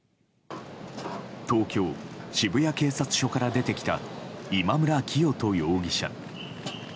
東京・渋谷警察署から出てきた今村磨人容疑者。